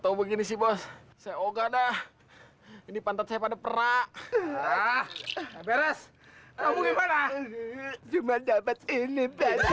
tahu begini sih bos saya oga dah ini pantat saya pada perak beres bagaimana cuma dapat ini beres